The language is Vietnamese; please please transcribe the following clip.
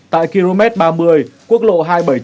tại km ba mươi quốc lộ hai trăm bảy mươi chín